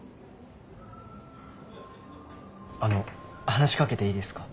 あの話し掛けていいですか？